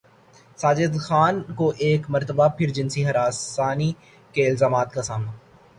ساجد خان کو ایک مرتبہ پھر جنسی ہراسانی کے الزامات کا سامنا